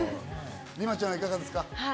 ＲＩＭＡちゃんはいかがですか？